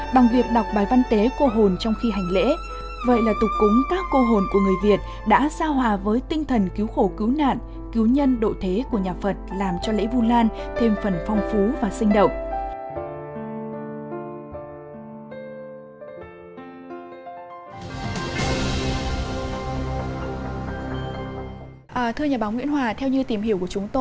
bằng việc đọc bài văn tế cô hồn trong khi hành lễ vậy là tục cúng các cô hồn của người việt đã giao hòa với tinh thần cứu khổ cứu nạn cứu nhân độ thế của nhà phật làm cho lễ vu lan thêm phần phong phú và sinh động